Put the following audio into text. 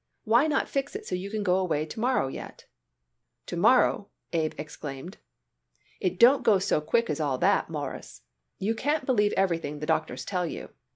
Why not fix it so you can go away to morrow yet?" "To morrow!" Abe exclaimed. "It don't go so quick as all that, Mawruss. You can't believe everything the doctors tell you.